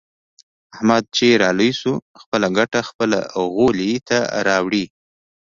احمد چې را لوی شو. خپله ګټه خپل غولي ته راوړي.